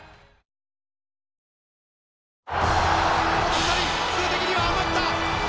１人数的には余った！